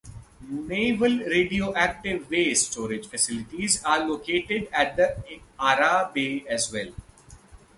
Naval radioactive waste storage facilities are located at the Ara Bay as well.